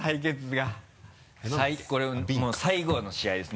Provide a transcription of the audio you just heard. はいこれもう最後の試合です。